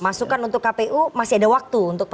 masukkan untuk kpu masih ada waktu